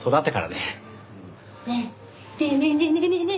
ねえねえねえねえねえ！